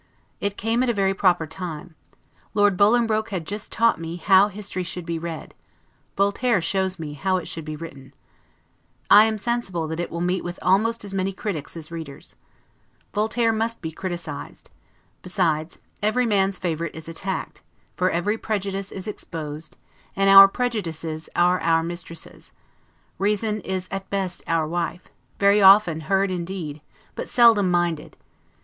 It came at a very proper time; Lord Bolingbroke had just taught me how history should be read; Voltaire shows me how it should be written. I am sensible that it will meet with almost as many critics as readers. Voltaire must be criticised; besides, every man's favorite is attacked: for every prejudice is exposed, and our prejudices are our mistresses; reason is at best our wife, very often heard indeed, but seldom minded.